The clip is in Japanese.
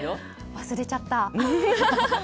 忘れちゃった。